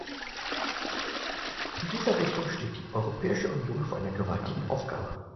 In dieser Richtung steht die Europäische Union vor einer gewaltigen Aufgabe.